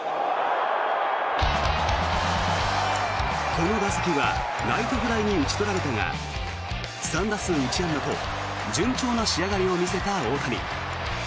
この打席はライトフライに打ち取られたが３打数１安打と順調な仕上がりを見せた大谷。